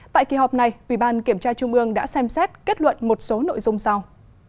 tại kỳ họp này ủy ban kiểm tra trung ương đã xem xét kết luận một số nội dung sau